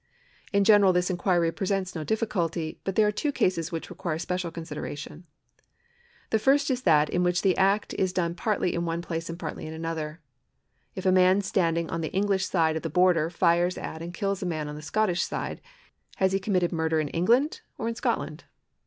In general this inquiry presents no difficulty, but there are two cases which require special consideration. The first is that in which the act is done partly in one place and partly in another. If a man standing on the Enghsh side of the Border fires at and kills a man on the Scottish side, has he committed murder in England or in Scotland